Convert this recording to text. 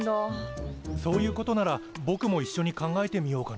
そういうことならぼくもいっしょに考えてみようかな。